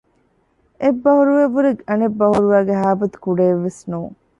އެއް ބަހުރުވައަށް ވުރެ އަނެއް ބަހުރުވައިގެ ހައިބަތު ކުޑައެއްވެސް ނޫން